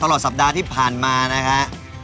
ตลอดสัปดาห์ที่ผ่านมานะฮะ